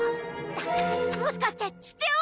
もしかして父上！？